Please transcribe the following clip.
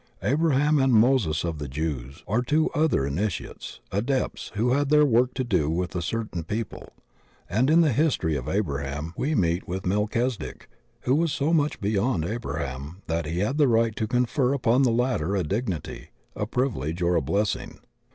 Abraham and Moses of the Jews are two other Initi ates, Adepts who had their work to do with a certain people; and in the history of Abraham we meet with Melchizedek, who was so much beyond Abraham that he had the right to confer upon the latter a dignity, a privilege, or a blessing.